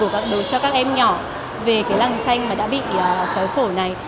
cho các em nhỏ về cái làng tranh mà đã bị xóa sổ này